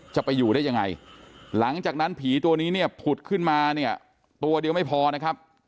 จะไปอยู่ได้ยังไงหลังจากนั้นผีตัวนี้เนี่ยผุดขึ้นมาเนี่ยตัวเดียวไม่พอนะครับ